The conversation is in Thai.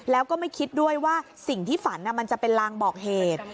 แล้วก็ไม่คิดด้วยว่าสิ่งที่ฝันมันจะเป็นลางบอกเหตุ